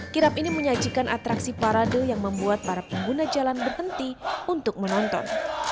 kirap ini menyajikan atraksi parade yang membuat para pengguna jalan berhenti untuk menonton